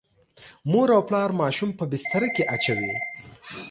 مور او پلار ماشوم په بستره کې اچوي.